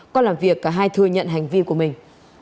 còn làm việc cả hai thừa nhận hành vi của mình